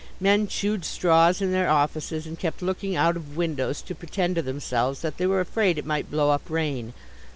Men chewed straws in their offices, and kept looking out of windows to pretend to themselves that they were afraid it might blow up rain.